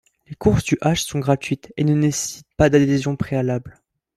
Les courses du Hash sont gratuites et ne nécessitent pas d'adhésion préalable.